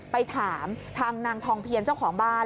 ไปถามทางนางทองเพียรเจ้าของบ้าน